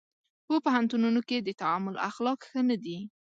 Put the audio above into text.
په پوهنتونونو کې د تعامل اخلاق ښه نه دي.